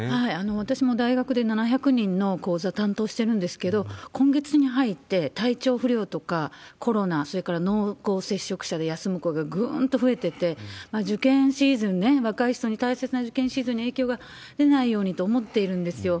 私も大学で７００人の講座担当してるんですけれども、今月に入って体調不良とか、コロナ、それから濃厚接触者で休む子がぐーんと増えてて、受験シーズン、若い人に大切な受験シーズンに影響が出ないようにと思っているんですよ。